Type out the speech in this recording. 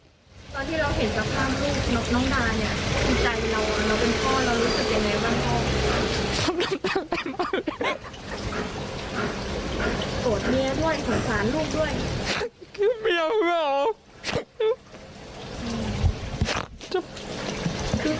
ตอนที่เราเห็นสภาพลูกน้องนาเนี่ยในใจเราเราเป็นพ่อเรารู้สึกยังไงบ้างพ่อ